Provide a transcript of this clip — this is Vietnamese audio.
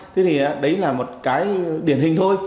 thế thì đấy là một cái điển hình thôi